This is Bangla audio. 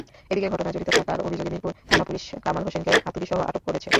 এদিকে ঘটনায় জড়িত থাকার অভিযোগে মিরপুর থানা-পুলিশ কামাল হোসেনকে হাতুড়িসহ আটক করেছে।